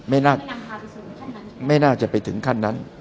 ไม่น่าจะไปถึงขั้นนั้น